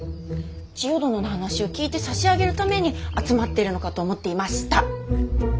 千世殿の話を聞いてさしあげるために集まってるのかと思っていました。